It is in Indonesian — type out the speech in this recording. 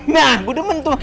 nah budeman tuh